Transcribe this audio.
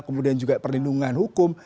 kemudian juga perlindungan hukum